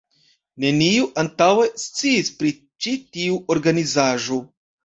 Neniu antaŭe sciis pri ĉi tiu organizaĵo.